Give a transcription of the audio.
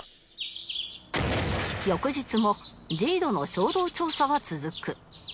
翌日も ＪＩＤＯ の衝動調査は続く